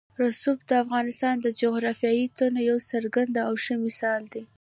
رسوب د افغانستان د جغرافیوي تنوع یو څرګند او ښه مثال دی.